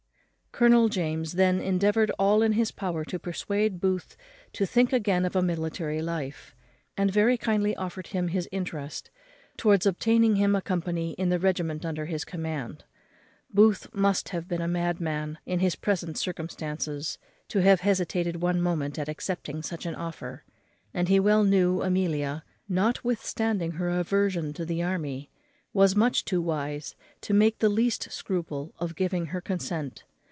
Colonel James then endeavoured all in his power to persuade Booth to think again of a military life, and very kindly offered him his interest towards obtaining him a company in the regiment under his command. Booth must have been a madman, in his present circumstances, to have hesitated one moment at accepting such an offer, and he well knew Amelia, notwithstanding her aversion to the army, was much too wise to make the least scruple of giving her consent.